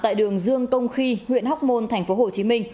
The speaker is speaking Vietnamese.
tại đường dương công khi huyện hóc môn tp hcm